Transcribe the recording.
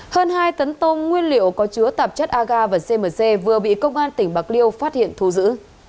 hơn hai tấn tôm nguyên liệu có chứa tạp chất aga và cmc vừa bị công an tỉnh bạc liêu phát hiện thu giữ